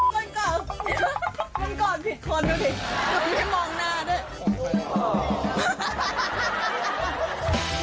มันกอดมันกอดผิดคนดูดิมันมองหน้าด้วย